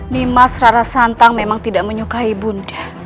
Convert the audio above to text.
nimas rara santang memang tidak menyukai ibu anda